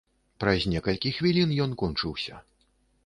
Праз некалькі хвілін ён кончыўся.